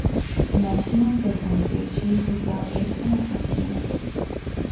The maximum difference they achieved was about eight and a half minutes.